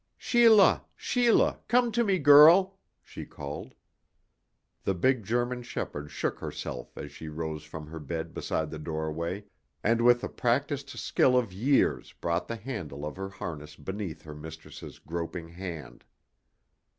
"Sheila, Sheila, come to me, girl," she called. The big German shepherd shook herself as she rose from her bed beside the doorway, and with the practiced skill of years brought the handle of her harness beneath her mistress's groping hand.